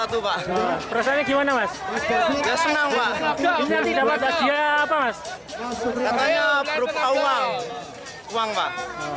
itu pak perasaannya gimana mas senang pak ini dapat hadiah apa mas berupa uang uang pak